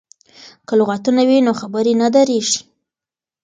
که لغتونه وي نو خبرې نه دریږي.